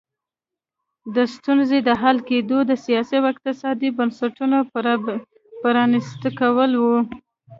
د ستونزې د حل کیلي د سیاسي او اقتصادي بنسټونو پرانیست کول وو.